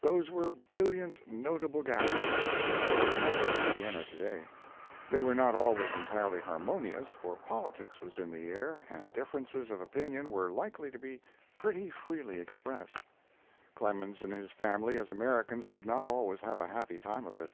Those were brilliant, notable gatherings and are remembered in Vienna today. They were not always entirely harmonious, for politics was in the air and differences of opinion were likely to be pretty freely expressed. Clemens and his family, as Americans, did not always have a happy time of it.